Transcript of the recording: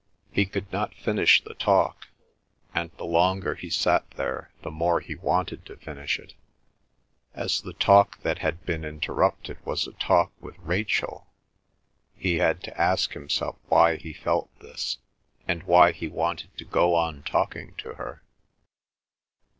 He could not finish the talk, and the longer he sat there the more he wanted to finish it. As the talk that had been interrupted was a talk with Rachel, he had to ask himself why he felt this, and why he wanted to go on talking to her.